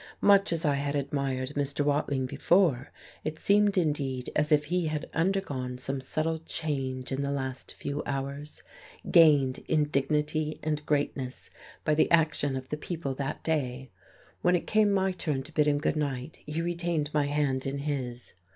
Much as I had admired Mr. Watling before, it seemed indeed as if he had undergone some subtle change in the last few hours, gained in dignity and greatness by the action of the people that day. When it came my turn to bid him good night, he retained my hand in his.